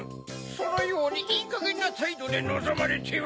そのようにいいかげんなたいどでのぞまれては。